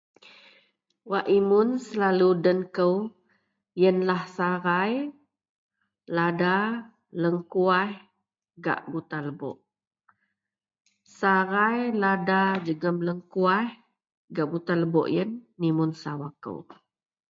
Wak imun selalu den kou yenlah sarai, lada, lengkuwaih gak buta lebok. Sarai, lada jegem lengkuwaih gak buta lebok yen nimun sawa kou.